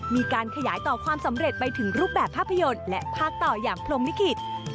มีการขยายต่อความสำเร็จไปถึงรูปแบบภาพยนตร์และภาคต่ออย่างพรมลิขิต